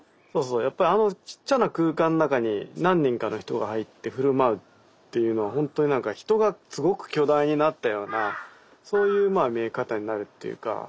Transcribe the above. やっぱあのちっちゃな空間の中に何人かの人が入って振る舞うっていうのは本当に何か人がすごく巨大になったようなそういう見え方になるっていうか。